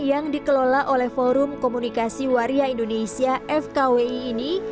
yang dikelola oleh forum komunikasi waria indonesia fkwi ini